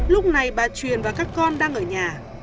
lúc này bà truyền và các con đang ở nhà